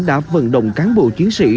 đã vận động cán bộ chiến sĩ